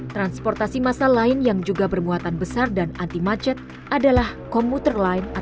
transportasi masa lain yang juga bermuatan besar dan anti macet adalah komuter line atau biaya